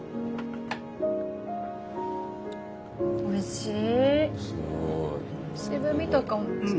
おいしい。